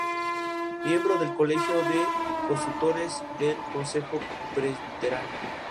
Miembro del Colegio de Consultores y del Consejo Presbiteral.